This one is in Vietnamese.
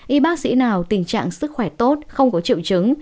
y bác sĩ nào tình trạng sức khỏe tốt không có triệu chứng